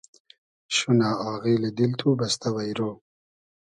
شونۂ آغیلی دیل تو بئستۂ وݷرۉ